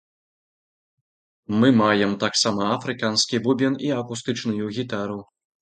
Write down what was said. Мы маем таксама афрыканскі бубен і акустычную гітару.